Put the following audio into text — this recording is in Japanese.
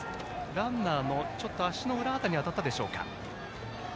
ランナーの足の裏辺りに当たったでしょうか。